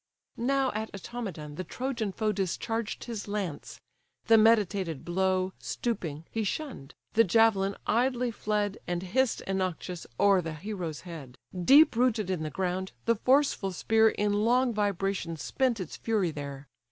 Now at Automedon the Trojan foe Discharged his lance; the meditated blow, Stooping, he shunn'd; the javelin idly fled, And hiss'd innoxious o'er the hero's head; Deep rooted in the ground, the forceful spear In long vibrations spent its fury there.